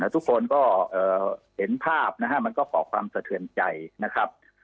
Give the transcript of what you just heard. ทุกคนก็เห็นภาพนะฮะมันก็ขอความสะเทือนใจนะครับ